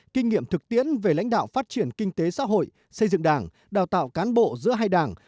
kinh nghiệm thực tiễn về lãnh đạo phát triển kinh tế xã hội xây dựng đảng đào tạo cán bộ giữa hai đảng